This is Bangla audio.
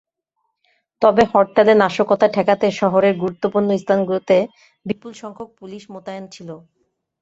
তবে হরতালে নাশকতা ঠেকাতে শহরের গুরুত্বপূর্ণ স্থানগুলোতে বিপুলসংখ্যক পুলিশ মোতায়েন ছিল।